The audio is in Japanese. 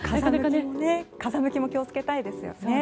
風向きも気を付けたいですね。